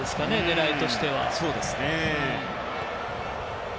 狙いとしては。